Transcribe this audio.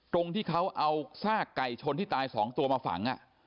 ตรงที่เขาเอาซากไก่ชนที่ตาย๒ตัวมาฝัง